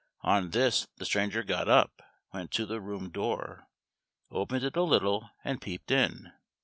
On this the stranger got up, went to the room door, opened it a little, and peeped in.